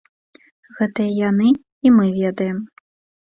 Гэта і яны, і мы ведаем.